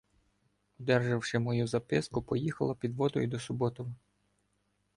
Одержавши мою записку, поїхала підводою до Су- ботова.